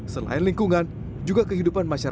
selain lingkungan juga kehidupan masyarakat